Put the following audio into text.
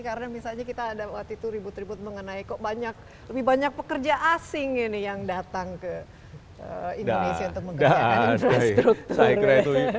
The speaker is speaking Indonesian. karena misalnya kita ada waktu itu ribut ribut mengenai kok lebih banyak pekerja asing ini yang datang ke indonesia untuk mengerjakan infrastruktur